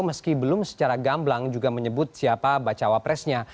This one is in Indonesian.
meski belum secara gamblang juga menyebut siapa bacawa presnya